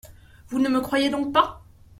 Vous ne me croyez donc pas ?